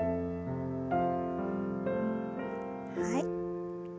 はい。